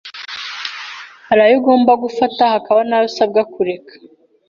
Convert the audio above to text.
hari ayo ugomba gufata hakaba n’ayo usabwa kureka